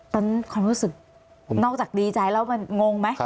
ความรู้สึกนอกจากดีใจแล้วมันงงไหม